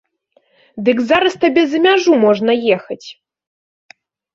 Дык зараз табе за мяжу можна ехаць!